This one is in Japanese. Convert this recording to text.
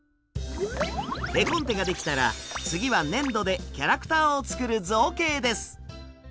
絵コンテができたら次は粘土でキャラクターを作る造形です！